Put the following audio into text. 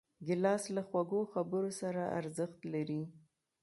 ګیلاس له خوږو خبرو سره ارزښت لري.